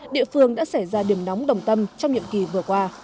địa phương đã xảy ra điểm nóng đồng tâm trong nhiệm kỳ vừa qua